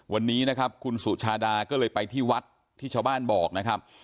วันนี้นะครับคุณสุชาดาก็เลยไปที่วัดที่ชาวบ้านบอกนะครับ